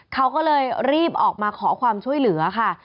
เขาก็เลยรีบออกมาขอความช่วยเหลือค่ะ